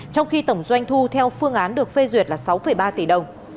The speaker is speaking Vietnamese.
trong khi tổng doanh thu theo phương án được phê duyệt là sáu ba tỷ đồng